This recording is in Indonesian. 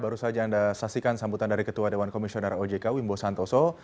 baru saja anda saksikan sambutan dari ketua dewan komisioner ojk wimbo santoso